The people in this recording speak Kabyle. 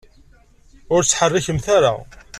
Ur ttḥerrikemt ara.